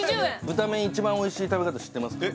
ブタメン一番おいしい食べ方知ってますか？